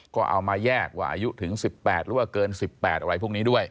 ก็เอามาแยกว่าอายุถึง๑๘หรือว่าเกิน๑๘อะไรพวกนี้ด้วย